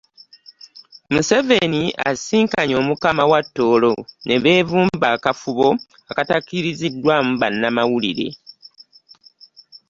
Museveni asisinkanye Omukama w'e Tooro ne beevumba akafubo akatakkiriziddwamu bannamawulire